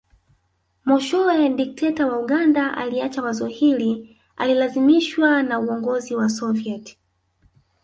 Mwishowe dikteta wa Uganda aliacha wazo hili alilazimishwa na uongozi wa Soviet